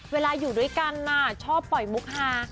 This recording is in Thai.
อยู่ด้วยกันชอบปล่อยมุกฮา